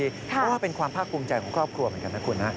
เพราะว่าเป็นความภาคภูมิใจของครอบครัวเหมือนกันนะคุณนะ